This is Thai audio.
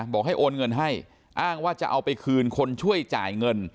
บอกให้โอนเงินให้อ้างว่าจะเอาไปคืนคนช่วยจ่ายเงิน